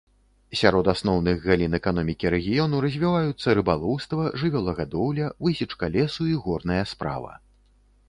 Сярод асноўных галін эканомікі рэгіёну развіваюцца рыбалоўства, жывёлагадоўля, высечка лесу і горная справа.